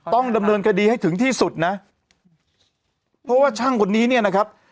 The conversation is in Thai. ต้องดำเนินคดีให้ถึงที่สุดนะเพราะว่าช่างคนนี้เนี่ยนะครับ